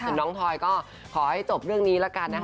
ส่วนน้องพลอยก็ขอให้จบเรื่องนี้ละกันนะคะ